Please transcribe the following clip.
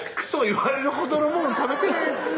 言われるほどのもの食べてないです